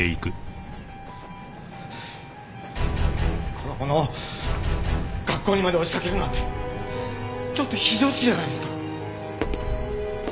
子供の学校にまで押しかけるなんてちょっと非常識じゃないですか？